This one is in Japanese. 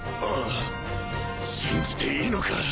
ああ信じていいのか？